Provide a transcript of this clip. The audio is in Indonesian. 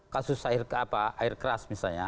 kasus air keras misalnya